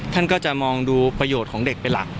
ท่านก็จะมองดูประโยชน์ของเด็กเป็นหลัก